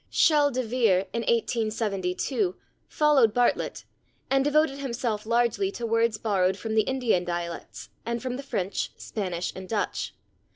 Schele de Vere, in 1872, followed Bartlett, and devoted himself largely to words borrowed from the Indian dialects, and from the French, Spanish and Dutch.